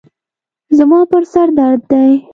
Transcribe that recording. زما پر سر درد دی.